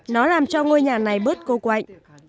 nó làm cho ngôi nhà này bớt cô quạnh